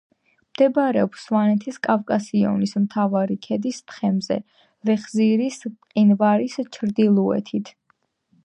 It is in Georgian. მდებარეობს სვანეთის კავკასიონის მთავარი ქედის თხემზე, ლეხზირის მყინვარის ჩრდილოეთით.